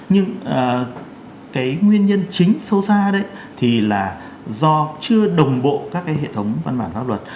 nhưng cái nguyên nhân chính sâu xa đấy thì là do chưa đồng bộ các cái hệ thống văn bản pháp luật